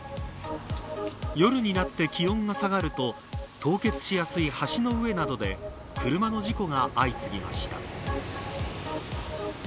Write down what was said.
夜になって気温が下がると凍結しやすい橋の上などで車の事故が相次ぎました。